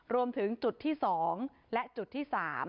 รวมถึงจุดที่๒และจุดที่๓